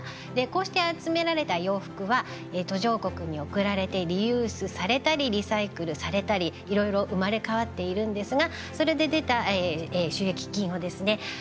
こうして集められた洋服は途上国に送られてリユースされたりリサイクルされたりいろいろ生まれ変わっているんですがそれで出た収益金をですね